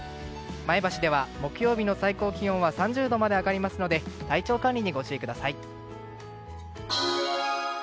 前橋では木曜日の最高気温は３０度まで上がりますので体調管理にご注意ください。